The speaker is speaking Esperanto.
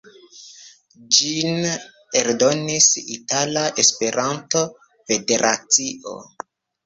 Ĝin eldonis Itala Esperanto-Federacio.